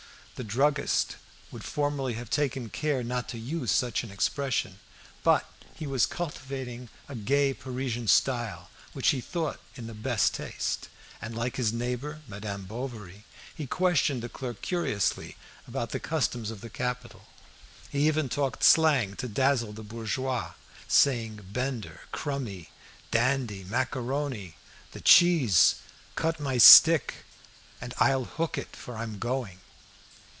The druggist would formerly have taken good care not to use such an expression, but he was cultivating a gay Parisian style, which he thought in the best taste; and, like his neighbour, Madame Bovary, he questioned the clerk curiously about the customs of the capital; he even talked slang to dazzle the bourgeois, saying bender, crummy, dandy, macaroni, the cheese, cut my stick and "I'll hook it," for "I am going."